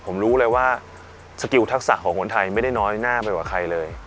ผมรู้เลยว่าสกิลทักษะของคนไทยไม่ได้น้อยหน้าไปกว่าใครเลย